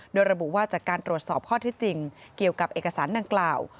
โดยระบุว่าจากการตรวจสอบข้อที่จริงเกี่ยวกับเอกสารดังกล่าว